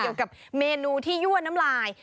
เกี่ยวกับเมนูที่ยั่วน้ำลาย